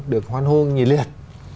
được hoan hôn nhiều liệt